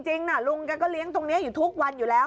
จริงลุงแกก็เลี้ยงตรงนี้อยู่ทุกวันอยู่แล้ว